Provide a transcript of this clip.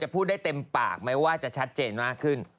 พูดได้เต็มปากไหมว่าจะชัดเจนมากขึ้น